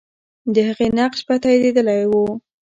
د هغې نقش به تاییدېدلی وو.